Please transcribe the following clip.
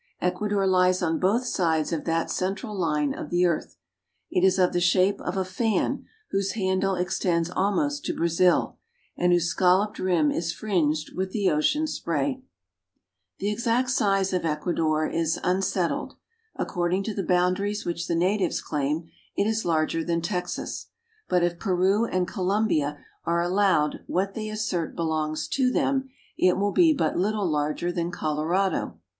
Ecuador lies on both sides of that central line of the earth. It is of the shape of a fan, whose handle extends almost to Brazil, and whose scalloped rim is fringed with the ocean spray. LAND OF THE EQUATOR. 39 The exact size of Ecuador is unsettled. According to the boundaries which the natives claim, it is larger than Texas ; but if Peru and Colombia are allowed what they assert belongs to them it will be but little larger than Colorado.